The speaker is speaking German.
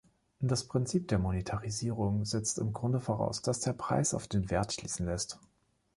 Das Prinzip der Monetarisierung setzt im Grunde voraus, dass der Preis auf den Wert schließen lässt.